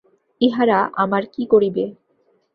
ইহারা আমার কী করিবে?